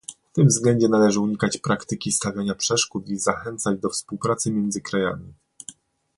W tym względzie należy unikać praktyki stawiania przeszkód i zachęcać do współpracy między krajami